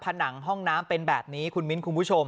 ผนังห้องน้ำเป็นแบบนี้คุณมิ้นคุณผู้ชม